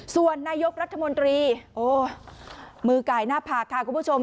ส่วนนายกรัฐมนตรีโอ้มือไก่หน้าผากค่ะคุณผู้ชม